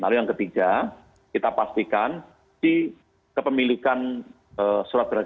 lalu yang ketiga kita pastikan di kepemilikan surat gerakan